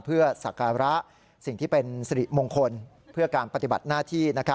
เพื่อสักการะสิ่งที่เป็นสิริมงคลเพื่อการปฏิบัติหน้าที่